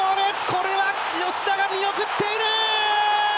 これは吉田が見送っている！